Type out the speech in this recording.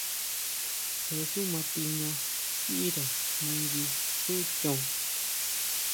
Je xú matiña sʼíre nangui xu chon.